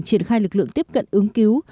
triển khai lực lượng tiếp cận ứng cứu